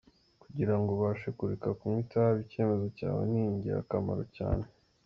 Kugira ngo ubashe kureka kunywa itabi, icyemezo cyawe ni ingirakamaro cyane.